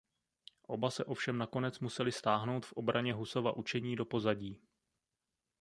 Oba se ovšem nakonec museli stáhnout v obraně Husova učení do pozadí.